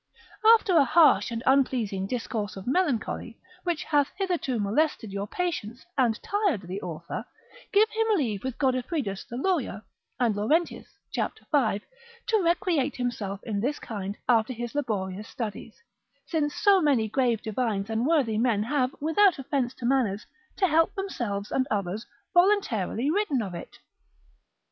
After a harsh and unpleasing discourse of melancholy, which hath hitherto molested your patience, and tired the author, give him leave with Godefridus the lawyer, and Laurentius (cap. 5.) to recreate himself in this kind after his laborious studies, since so many grave divines and worthy men have without offence to manners, to help themselves and others, voluntarily written of it.